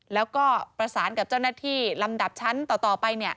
แล้วก็ประสานกับเจ้าหน้าที่ลำดับชั้นต่อไป